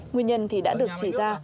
nguyên nhân thì đã được chỉ ra